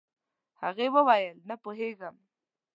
هغې وويل نه پوهيږم.